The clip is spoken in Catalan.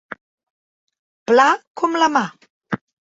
Pla com la mà.